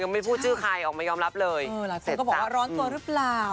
ไม่พูดชื่อใครออกมายอมรับเลยเออหลายคนก็บอกว่าร้อนตัวหรือเปล่า